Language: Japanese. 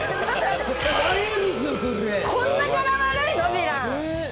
こんなガラ悪いの？